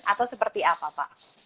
atau seperti apa pak